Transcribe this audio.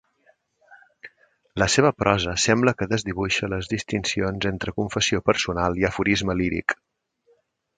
La seva prosa sembla que desdibuixa les distincions entre confessió personal i aforisme líric.